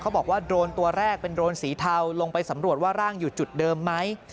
บอกว่าโดรนตัวแรกเป็นโรนสีเทาลงไปสำรวจว่าร่างอยู่จุดเดิมไหม